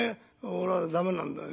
俺は駄目なんだよ。